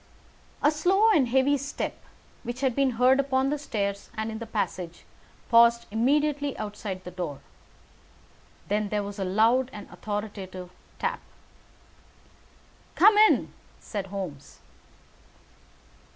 A slow and heavy step, which had been heard upon the stairs and in the passage, paused immediately outside the door. Then there was a loud and authoritative tap. "Come in!" said Holmes.